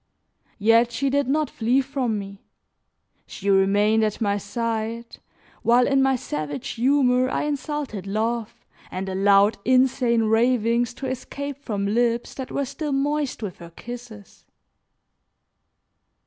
Yet she did not flee from me; she remained at my side while in my savage humor, I insulted love and allowed insane ravings to escape from lips that were still moist with her kisses.